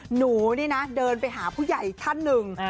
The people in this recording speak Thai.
หนูนี่นะเดินไปหาผู้ใหญ่อีกท่านหนึ่ง